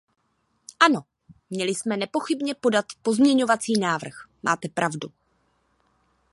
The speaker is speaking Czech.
Ano, měli jsme nepochybně podat pozměňovací návrh, máte pravdu.